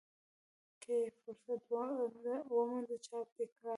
که یې فرصت وموند چاپ دې کاندي.